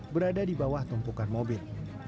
berada di bawah tumpukan mobil